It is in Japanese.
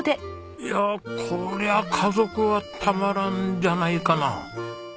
いやこりゃ家族はたまらんじゃないかな？